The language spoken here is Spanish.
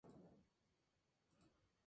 Une el golfo Ladrillero con el canal Trinidad.